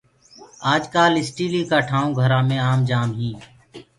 آج ڪآل اسٽيلي ڪآ ٺآئونٚ گھرآ مي آم جآم هينٚ۔